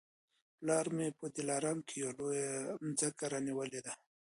پلار مي په دلارام کي یوه لویه مځکه رانیولې ده